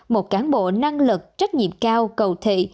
một cán bộ năng lực trách nhiệm cao cầu thị